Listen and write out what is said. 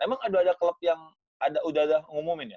emang aduh ada klub yang udah ada ngumumin ya